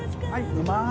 うまい。